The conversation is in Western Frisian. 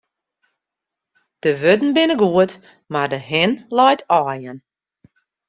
De wurden binne goed, mar de hin leit aaien.